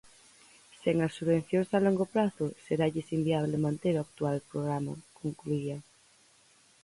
Sen as subvencións a longo prazo seralles inviable manter o actual programa, concluía.